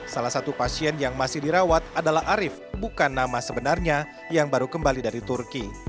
salah satu pasien yang masih dirawat adalah arief bukan nama sebenarnya yang baru kembali dari turki